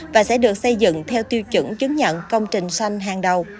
và sẽ được xây dựng theo tiêu chuẩn chứng nhận công trình xanh hàng đầu